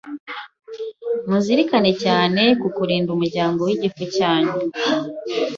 muzirikane cyane ku kurinda umuryango w’igifu cyanyu,